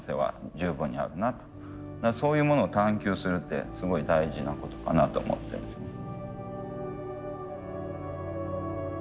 そういうものを探究するってすごい大事なことかなと思ってるんですね。